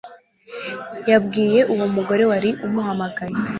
Yabwiye uwo mugore wari uhamagaye